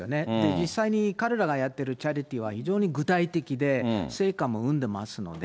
実際に彼らがやってるチャリティーは非常に具体的で、成果も生んでますので。